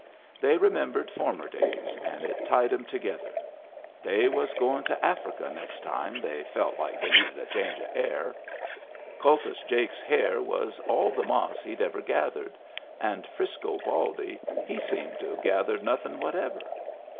They remem bered former days, and it tied 'em together. They was goin* to Africa next time they felt like they Digitized by Google WHERE IT WAS 239 needed a change of air. Kultus Jake's hair was all the moss he'd ever gathered, and Frisco Baldy he seemed to have gathered nothin' whatever.